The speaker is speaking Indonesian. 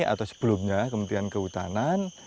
atau sebelumnya kementerian kehutanan